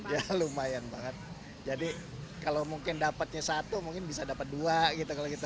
ya lumayan banget jadi kalau mungkin dapatnya satu mungkin bisa dapat dua gitu kalau kita